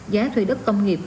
giá thuê đất công nghiệp